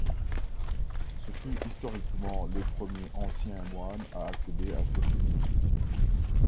Ce fut historiquement le premier ancien moine à accéder à cette dignité.